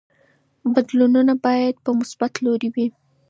بدلونونه باید په مثبت لوري وي.